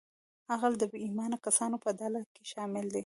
غل د بې ایمانه کسانو په ډله کې شامل دی